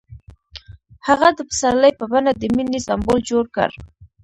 هغه د پسرلی په بڼه د مینې سمبول جوړ کړ.